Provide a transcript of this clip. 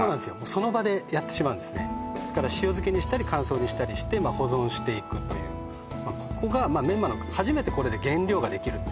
その場でやってしまうんですねですから塩漬けにしたり乾燥にしたりして保存していくというここがメンマの初めてこれで原料ができる